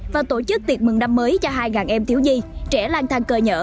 và tổ chức tiệc mừng năm mới cho hai em thiếu nhi trẻ lang thang cơ nhở